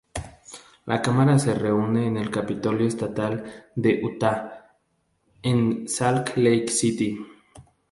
La Cámara se reúne en el Capitolio Estatal de Utah en Salt Lake City.